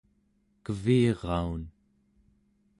keviraun